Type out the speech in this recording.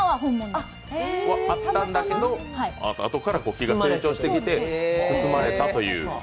あったんだけど、あとから木が成長して包まれたという。